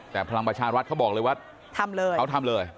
แต่พลังประชารัฐเขาบอกเลยว่าทำเลยเขาทำเลย